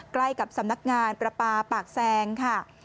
ใกล้กับสำนักงานประปาปากแซงค่ะ